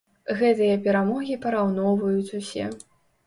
Гэтыя перамогі параўноўваюць усе.